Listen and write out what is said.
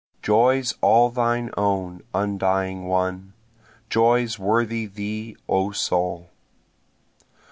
Joys all thine own undying one, joys worthy thee O soul.